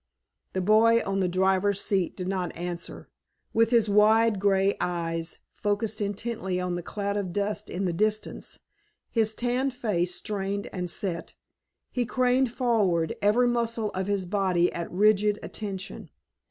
The boy on the driver's seat did not answer. With his wide grey eyes focused intently on the cloud of dust in the distance, his tanned face strained and set, he craned forward, every muscle of his body at rigid attention.